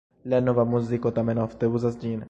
La Nova muziko tamen ofte uzas ĝin.